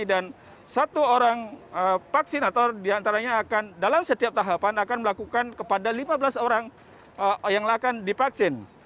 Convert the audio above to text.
dan satu orang vaksinator diantaranya akan dalam setiap tahapan akan melakukan kepada lima belas orang yang akan dipaksin